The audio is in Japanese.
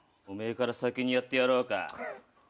お前から先にやってやろうか？